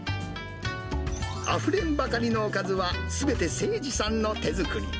あふれんばかりのおかずはすべてせいじさんの手作り。